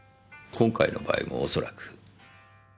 今回の場合も恐らく。